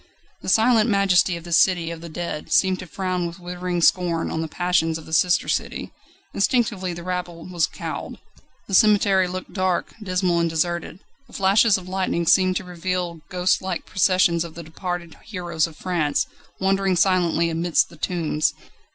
The silent majesty of this city of the dead seemed to frown with withering scorn on the passions of the sister city. Instinctively the rabble was cowed. The cemetery looked dark, dismal, and deserted. The flashes of lightning seemed to reveal ghostlike processions of the departed heroes of France, wandering silently amidst the tombs.